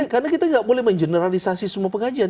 karena kita nggak boleh mengeneralisasi semua pengajian